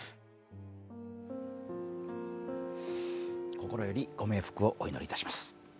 心よりご冥福をお祈りいたします。